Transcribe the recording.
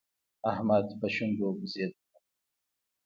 احمد په شونډو بزېدلو.